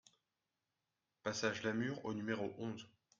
Passage Lamure au numéro onze